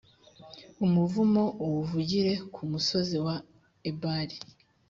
umuvumo uwuvugire ku musozi wa ebali.